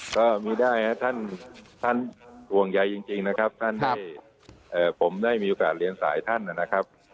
ก็มีได้นะท่านห่วงใยจริงนะครับท่านที่ผมได้มีโอกาสเรียนสายท่านนะครับ